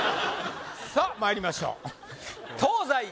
さっまいりましょう東西